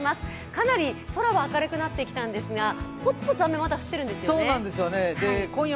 かなり空は明るくなってきたんですが、ポツポツ雨がまだ降っているんですね。